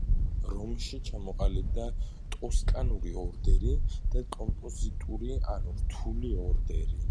რომში ჩამოყალიბდა ტოსკანური ორდერი და კომპოზიტური ანუ რთული ორდერი.